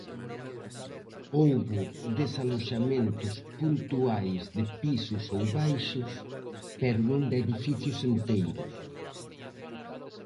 Houbo desaloxamentos puntuais de pisos ou baixos, pero non de edificios enteiros.